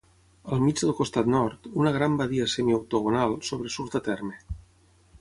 Al mig del costat nord, "una gran badia semi-octogonal" sobresurt a terme.